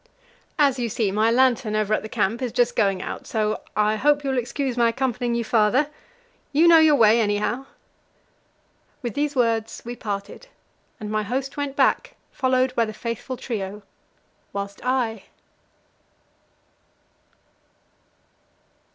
"As you see, my lantern over at the camp is just going out, so I hope you will excuse my accompanying you farther. You know your way, anyhow." With these words we parted, and my host went back, followed by the faithful trio, whilst I